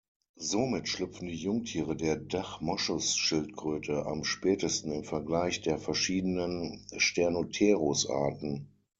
Somit schlüpfen die Jungtiere der Dach-Moschusschildkröte am spätesten im Vergleich der verschiedenen "Sternotherus"-Arten.